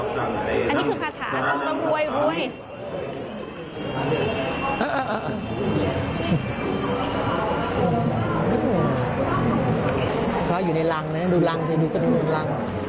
คาถาอยู่ในรังนั้นดูรังดูก็ดูรัง